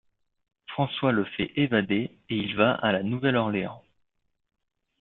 François le fait évader et il va à La Nouvelle-Orléans.